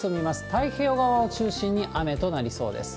太平洋側を中心に雨となりそうです。